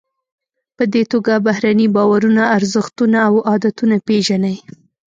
په دې توګه بهرني باورونه، ارزښتونه او عادتونه پیژنئ.